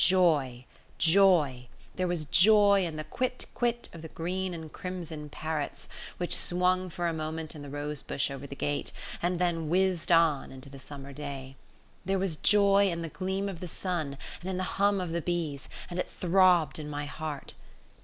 Joy! Joy! There was joy in the quit! quit! of the green and crimson parrots, which swung for a moment in the rose bush over the gate, and then whizzed on into the summer day. There was joy in the gleam of the sun and in the hum of the bees, and it throbbed in my heart.